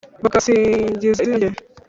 Bagasingiza izina rye